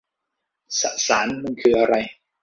สสารมันคืออะไร